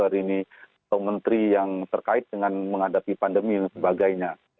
hari ini atau menteri yang terkait dengan menghadapi pandemi dan sebagainya